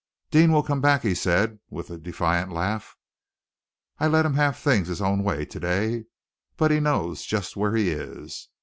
"Deane will come back," he said, with a defiant laugh. "I let him have things his own way to day, but he knows just where he is.